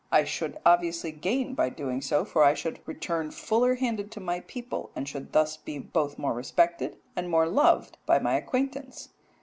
I should obviously gain by doing so, for I should return fuller handed to my own people and should thus be both more respected and more loved by my acquaintance.